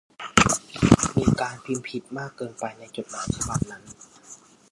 มีการพิมพ์ผิดมากเกินไปในจดหมายฉบับนั้น